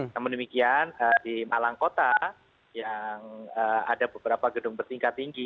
namun demikian di malang kota yang ada beberapa gedung bertingkat tinggi